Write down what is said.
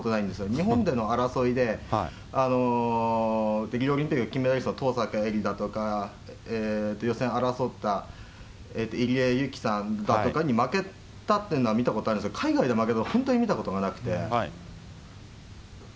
日本での争いで、北京オリンピックの金メダリストの登坂絵莉だとか、予選争った入江ゆきさんだとかに負けたっていうのは見たことあるんですけど、海外で負けたの本当に見たことがなくて。